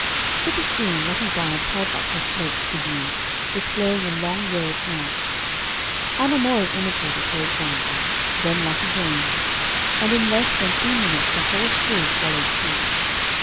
Pretty soon Lottie Barnes held up her slate to view, displaying a long row of marks. Anna Mory imitated her example; then Lottie Jones; and in less than two minutes the whole school followed suit.